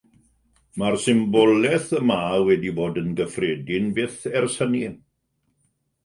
Mae'r symbolaeth yma wedi bod yn gyffredin byth ers hynny.